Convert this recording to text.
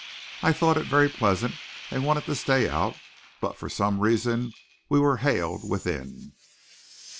I thought it very pleasant; and wanted to stay out; but for some reason we were haled within.